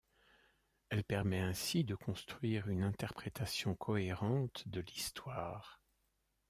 Elle permet ainsi de construire une interprétation cohérente de l'Histoire.